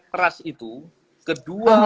keras itu kedua